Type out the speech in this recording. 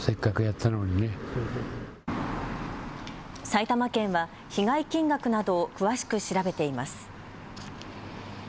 埼玉県は被害金額などを詳しく調べています。